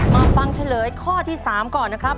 ฟังเฉลยข้อที่๓ก่อนนะครับ